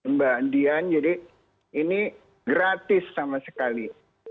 mbak dian jadi ini gratis sama sekali